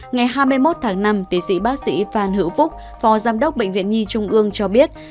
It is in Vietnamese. ngày hai mươi một tháng năm tiến sĩ bác sĩ phan hữu phúc phó giám đốc bệnh viện nhi trung ương cho biết